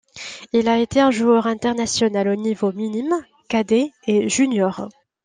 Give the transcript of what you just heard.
Il a été un joueur international aux niveaux minime, cadet et junior.